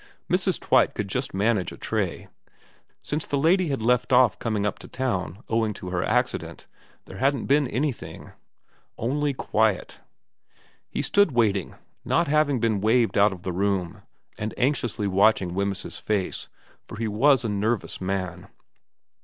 Mrs. Twite could just manage a tray. Since the lady had left ofE coming up to town owing to her accident, there hadn't been anything. Only quiet. He stood waiting, not having been waved out of the room, and anxiously watching Wemyss's face, for he was a nervous man.